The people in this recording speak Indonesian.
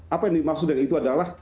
apa yang dimaksud dari itu adalah